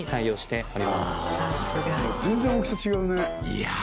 いや